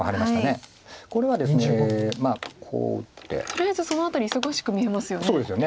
とりあえずその辺り忙しく見えますよね。